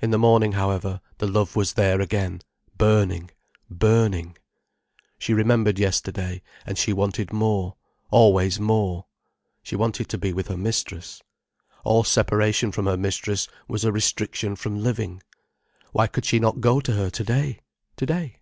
In the morning, however, the love was there again, burning, burning. She remembered yesterday, and she wanted more, always more. She wanted to be with her mistress. All separation from her mistress was a restriction from living. Why could she not go to her to day, to day?